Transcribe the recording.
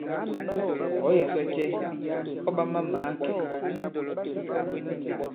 Ɔ̌ yɛ̀ sɔ cɛ ɔ̂ ɓa ma-màa kɛ̄?